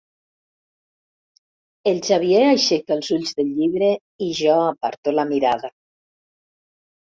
El Xavier aixeca els ulls del llibre i jo aparto la mirada.